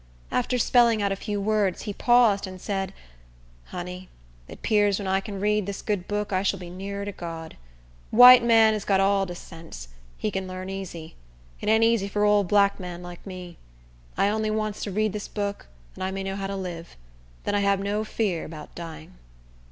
After spelling out a few words, he paused, and said, "Honey, it 'pears when I can read dis good book I shall be nearer to God. White man is got all de sense. He can larn easy. It ain't easy for ole black man like me. I only wants to read dis book, dat I may know how to live; den I hab no fear 'bout dying."